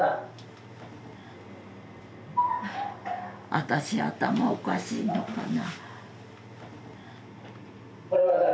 あたし頭おかしいのかな？